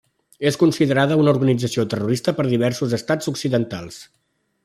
És considerada una organització terrorista per diversos Estats occidentals.